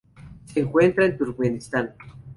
Se encuentra en Turkmenistán.